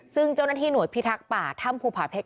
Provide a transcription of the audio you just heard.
ซึ่งเจ้าหน้าที่หน่วยพิทักษ์ป่าถ้ำภูผาเพชร